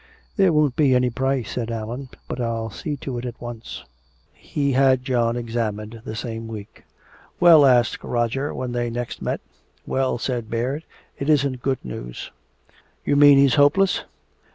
"There won't be any price," said Allan, "but I'll see to it at once." He had John examined the same week. "Well?" asked Roger when next they met. "Well," said Baird, "it isn't good news." "You mean he's hopeless?"